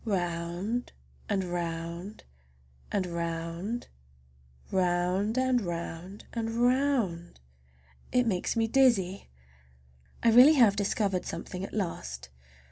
Round and round and round—round and round and round—it makes me dizzy! I really have discovered something at last.